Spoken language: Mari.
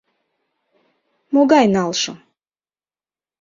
— Могай налшым?